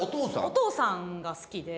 お父さんが好きで。